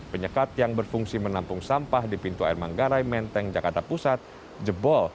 penyekat yang berfungsi menampung sampah di pintu air manggarai menteng jakarta pusat jebol